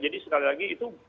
jadi sekali lagi itu